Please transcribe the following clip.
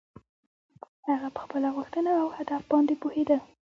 هغه په خپله غوښتنه او هدف باندې پوهېده.